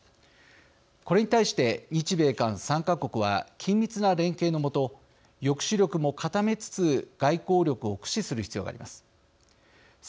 これに対して日米韓３か国は緊密な連携の下抑止力も固めつつ外交力を駆使する必要があります。